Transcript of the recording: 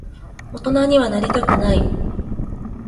大人にはなりたくない。